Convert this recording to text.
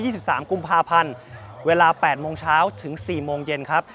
ที่๒๓กุมภาพันธ์เวลา๘โมงเช้าถึง๔โมงเย็นครับ